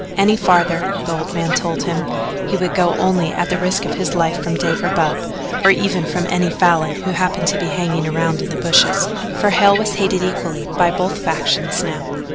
Any farther, the old man told him, he would go only at the risk of his life from Dave or Bub, or even from any Falin who happened to be hanging around in the bushes, for Hale was hated equally by both factions now.